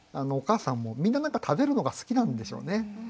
お母さんもみんな何か食べるのが好きなんでしょうね。